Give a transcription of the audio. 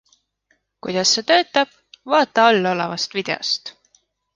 Kuidas see töötab, vaata allolevast videost.